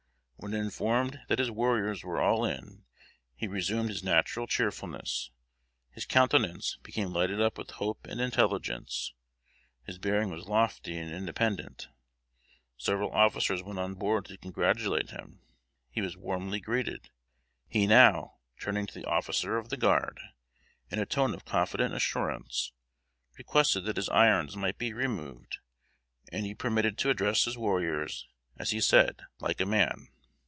When informed that his warriors were all in, he resumed his natural cheerfulness; his countenance became lighted up with hope and intelligence; his bearing was lofty and independent. Several officers went on board to congratulate him. He was warmly greeted. He now, turning to the officer of the guard, in a tone of confident assurance, requested that his irons might be removed, and he permitted to address his warriors, as he said, "like a man."